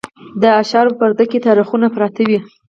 د اشعارو په پردو کې یې تاریخونه پراته وي.